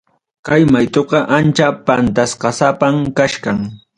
Kay maytuqa ancha pantasqasapam kachkan.